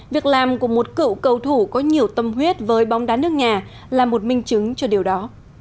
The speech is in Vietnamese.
việc làm của một cựu cầu thủ có nhiều tâm huyết với bóng đá nước nhà là một minh chứng cho điều đó